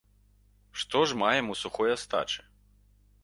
Што ж маем у сухой астачы?